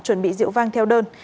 chuẩn bị rượu vang theo đơn